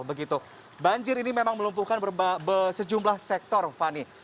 banjir ini memang melumpuhkan sejumlah sektor fani